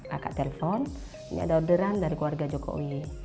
kakak telepon ini ada orderan dari keluarga jokowi